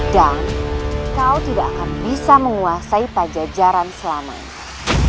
dan kau tidak akan bisa menguasai pajajaran selamanya